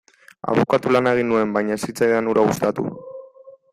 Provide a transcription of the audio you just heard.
Abokatu lana egin nuen, baina ez zitzaidan hura gustatu.